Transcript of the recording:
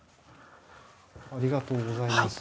ありがとうございます。